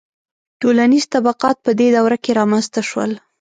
• ټولنیز طبقات په دې دوره کې رامنځته شول.